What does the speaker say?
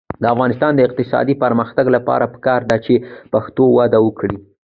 د افغانستان د اقتصادي پرمختګ لپاره پکار ده چې پښتو وده وکړي.